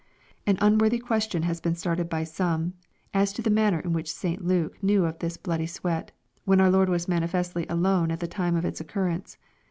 An unworthy question has been started by some a s to the man ner in which St. Luke knew of this bloody sweat, when our Lord was manifestly alone at the time of its occurrence.